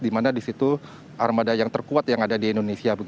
di mana di situ armada yang terkuat yang ada di indonesia